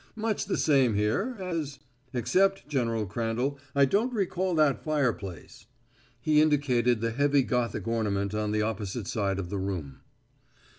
"Much the same here as except, General Crandall, I don't recall that fireplace." He indicated the heavy Gothic ornament on the opposite side of the room.